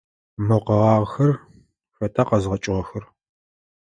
Мо къэгъагъэхэр хэта къэзгъэкӏыгъэхэр?